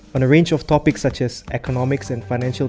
di sebuah rangkaian topik seperti ekonomi dan pasar finansial